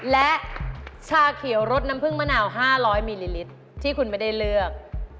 และชาเขียวรสน้ำผึ้งมะนาว๕๐๐มิลลิลิตรที่คุณไม่ได้เลือก